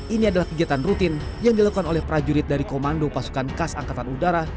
ini adalah kegiatan rutin yang dilakukan oleh prajurit dari komando pasukan kas angkatan udara